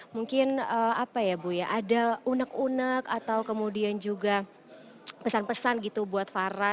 mungkin apa ya bu ya ada unek unek atau kemudian juga pesan pesan gitu buat farah